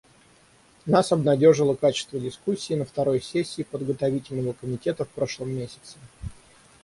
Нас обнадежило качество дискуссии на второй сессии Подготовительного комитета в прошлом месяце.